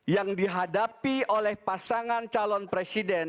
yang dihadapi oleh pasangan calon presiden